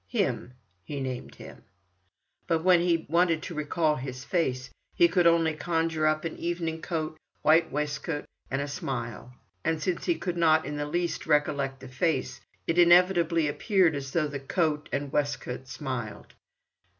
"Him," he named him, but when he wanted to recall his face, he could only conjure up an evening coat, white waistcoat, and a smile; and since he could not in the least recollect the face, it inevitably appeared as though the coat and waistcoat smiled.